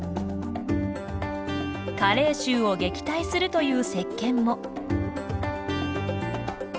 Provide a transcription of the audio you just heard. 加齢臭を撃退するというせっけんも。